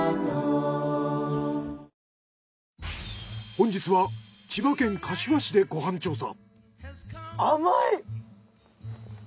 本日は千葉県柏市でご飯調査。